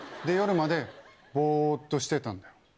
で夜までボっとしてたんだよ。